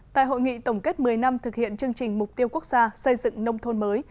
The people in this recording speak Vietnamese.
tại hội nghị tổng kết một mươi năm thực hiện chương trình mục tiêu quốc gia xây dựng nông thôn mới